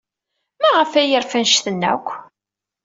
Maɣef ay yerfa anect-nni akk?